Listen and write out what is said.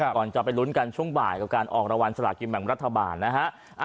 ก่อนจะไปลุ้นกันช่วงบ่ายกับการออกรางวัลสลากินแบ่งรัฐบาลนะฮะ